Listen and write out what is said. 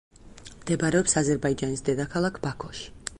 მდებარეობს აზერბაიჯანის დედაქალაქ ბაქოში.